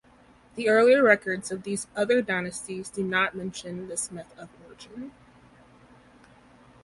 The earlier records of these other dynasties do not mention this myth of origin.